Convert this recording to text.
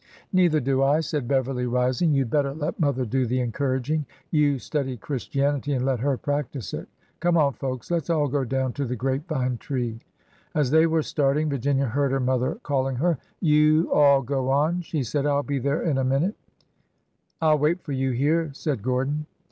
Neither do I," said Beverly, rising. You 'd better let mother do the encouraging. You study Christianity and let her practise it. Come on, folks ; let 's all go down to the grape vine tree." As they were starting, Virginia heard her mother call ing her. ''' You '3i\\ go on," she said. " I 'll be there in a minute." I 'll wait for you here," said Gordon.